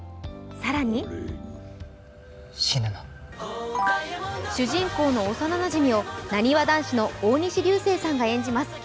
更に主人公の幼なじみをなにわ男子の大西流星さんが演じます。